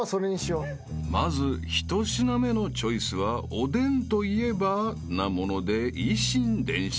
［まず１品目のチョイスは「おでんといえば」なもので以心伝心］